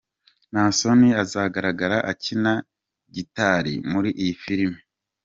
Naasson azagaragra akina gitari muri iyi filimi.